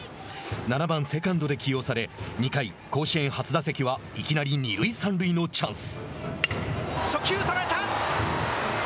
７番セカンドで起用され２回甲子園初打席はいきなり二塁三塁のチャンス。